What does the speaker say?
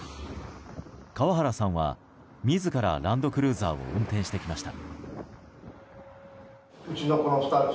川原さんは自らランドクルーザーを運転してきました。